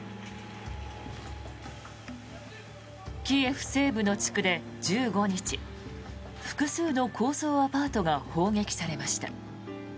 キエフ西部の地区で１５日複数の高層アパートが砲撃されました。